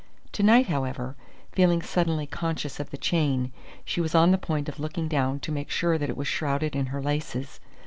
To night, however, feeling suddenly conscious of the chain, she was on the point of looking down to make sure that it was shrouded in her laces.